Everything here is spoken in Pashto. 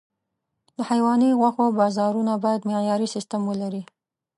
د حيواني غوښو بازارونه باید معیاري سیستم ولري.